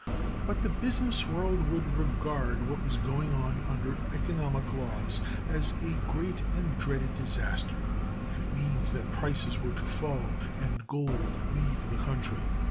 But the business world would regard what was going on under economic laws as a great and dreaded disaster, if it meant that prices were to fall, and gold leave the country.